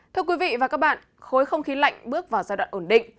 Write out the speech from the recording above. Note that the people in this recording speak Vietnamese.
thưa quý vị và các bạn khối không khí lạnh bước vào giai đoạn ổn định